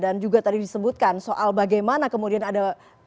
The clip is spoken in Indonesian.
dan juga tadi disebutkan soal bagaimana kemudian ada